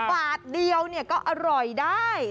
บาทเดียวเนี่ยก็อร่อยได้